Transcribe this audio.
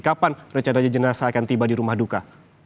kapan rencananya jenasa akan tiba di rumah duka